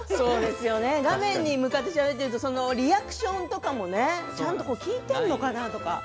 画面に向かってしゃべっているとリアクションとかもねちゃんと聞いているのかなとか。